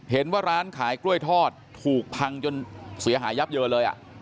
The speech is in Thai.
เห็นว่าร้านขายกล้วยทอดถูกพังจนเสียหายยับเยินเลย